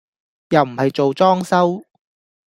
又唔係做裝修